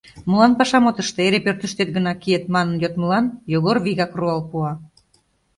«Молан пашам от ыште, эре пӧртыштет гына киет» манын йодмылан Йогор вигак руал пуа: